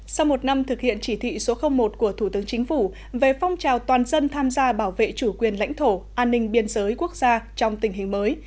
sau một năm thực hiện chỉ thị số một của thủ tướng chính phủ về phong trào toàn dân tham gia bảo vệ chủ quyền lãnh thổ an ninh biên giới quốc gia trong tình hình mới